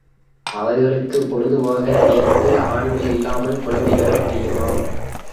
அவர்களுக்குப் பொழுது போகாத நேரத்தில் ஆண்கள் இல்லாமல் குழந்தை பெற முடியுமா?